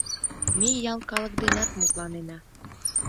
Ме ял калык денат мутланена!